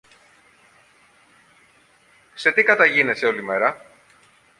Σε τι καταγίνεσαι όλη μέρα;